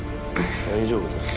大丈夫だよ。